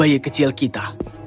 untuk bayi kecil kita